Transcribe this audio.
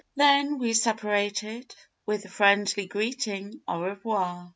Then we separated with the friendly greeting, 'Au revoir.'